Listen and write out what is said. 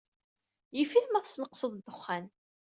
Yif-it ma tesneqseḍ ddexxan.